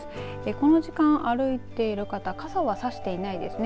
この時間、歩いている方傘を差してはいないですね。